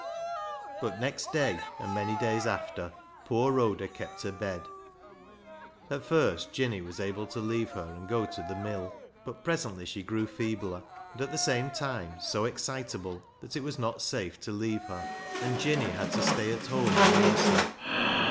But next day, and many days after, poor Rhoda kept her bed. At first Jinny was able to leave her and go to the mill, but presently she grew feebler, and at the same time so excitable, that it was not safe to leave her, and Jinny had to stay at home and nurse her.